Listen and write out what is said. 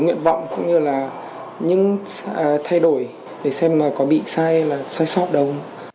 nguyện vọng cũng như là những thay đổi để xem có bị sai hay sai sót đâu